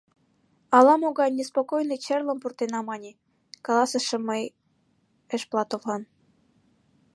— Ала-могай неспокойный черлым пуртена мане, — каласышым мый Эшплатовлан.